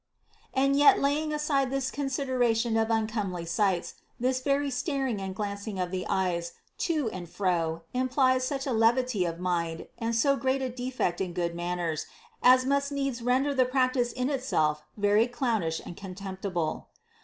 And yet laying aside this consideration of uncomely sights, this very staring and glancing of the eyes to and fro im plies such a levity of mind and so great a defect in good manners, as must needs render the practice in itself very clownish and contemptible.